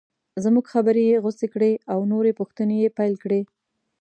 زموږ خبرې یې غوڅې کړې او نورې پوښتنې یې پیل کړې.